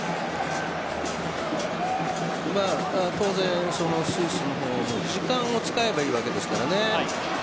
当然スイスの方は時間を使えばいいわけですからね。